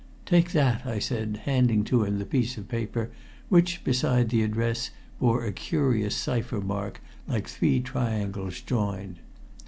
"Take that," I said, handing to him the piece of paper which, beside the address, bore a curious cipher mark like three triangles joined.